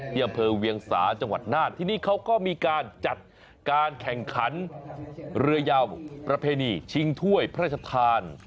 อำเภอเวียงสาจังหวัดน่านที่นี่เขาก็มีการจัดการแข่งขันเรือยาวประเพณีชิงถ้วยพระราชทาน